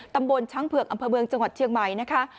ตำบลช้างเผือกอำเภอเมืองจังหวัดเชียงใหม่นะคะ